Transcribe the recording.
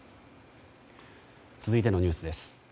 続いてのニュースです。